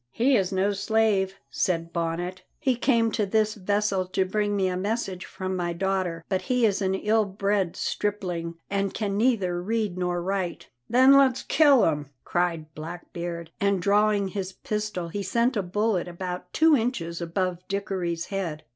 "He is no slave," said Bonnet; "he came to this vessel to bring me a message from my daughter, but he is an ill bred stripling, and can neither read nor write." "Then let's kill him!" cried Blackbeard, and drawing his pistol he sent a bullet about two inches above Dickory's head.